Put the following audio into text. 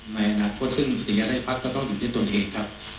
ในอนาคตซึ่งอุทยาราชภัทร์ก็ต้องอยู่ในตัวเองครับ